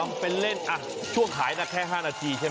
ความเป็นเล่นช่วงขายแค่ห้านาทีใช่ไหม